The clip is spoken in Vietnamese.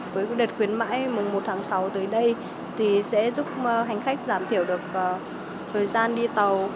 với đợt khuyến mãi một sáu tới đây sẽ giúp hành khách giảm thiểu được thời gian đi tàu